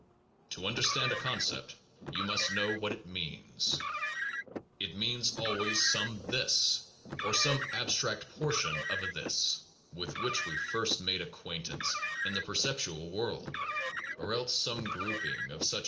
To understand a concept you must know what it means. It means always some this, or some abstract portion of a this, with which we first made acquaintance in the perceptual world, or else some grouping of such abstract portions.